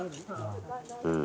うん。